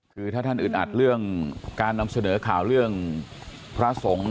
คือถ้าท่านอึดอัดเรื่องการนำเสนอข่าวเรื่องพระสงฆ์